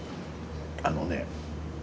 あのね